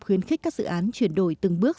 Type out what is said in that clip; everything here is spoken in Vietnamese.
khuyến khích các dự án chuyển đổi từng bước